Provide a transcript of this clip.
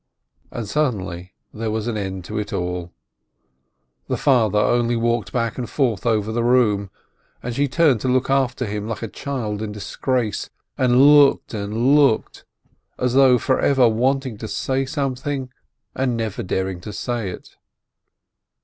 And suddenly there was an end of it all. The father only walked back and forth over the room, and she turned to look after him like a child in disgrace, and looked and looked as though for ever wanting to say something, and never daring to say it.